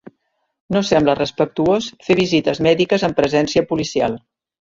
No sembla respectuós fer visites mèdiques amb presència policial